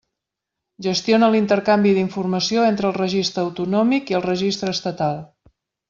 Gestiona l'intercanvi d'informació entre el Registre autonòmic i el Registre estatal.